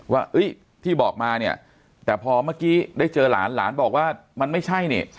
ว่าที่บอกมาเนี่ยแต่พอเมื่อกี้ได้เจอหลานหลานบอกว่ามันไม่ใช่นี่